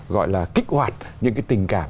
gọi là kích hoạt những cái tình cảm